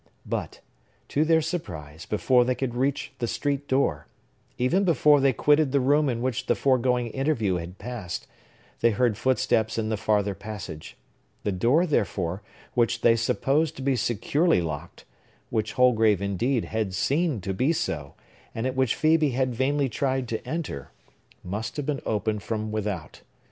But, to their surprise, before they could reach the street door,—even before they quitted the room in which the foregoing interview had passed,—they heard footsteps in the farther passage. The door, therefore, which they supposed to be securely locked,—which Holgrave, indeed, had seen to be so, and at which Phœbe had vainly tried to enter,—must have been opened from without.